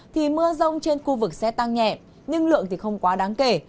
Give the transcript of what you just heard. thì mưa rông trên khu vực sẽ tăng nhẹ nhưng lượng thì không quá đáng kể